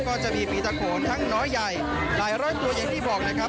ก็จะมีผีตะโขนทั้งน้อยใหญ่หลายร้อยตัวอย่างที่บอกนะครับ